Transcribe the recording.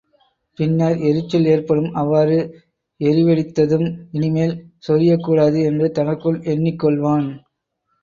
பின்னர் எரிச்சல் ஏற்படும் அவ்வாறு எரிவெடுத்ததும் இனிமேல் சொரியக்கூடாது என்று தனக்குள் எண்ணிக்கொள்வான்.